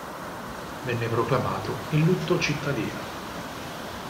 Venne proclamato il lutto cittadino.